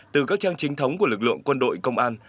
từ các trang trinh thống của lực lượng quân đội công an